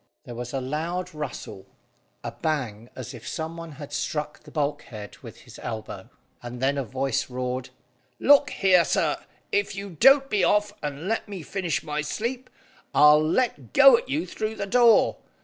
There was a loud rustle; a bang as if some one had struck the bulkhead with his elbow, and then a voice roared "Look here, sir, if you don't be off and let me finish my sleep, I'll let go at you through the door.